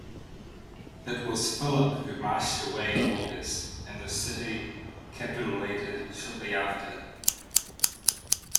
It was Philip who marched away in August, and the city capitulated shortly thereafter.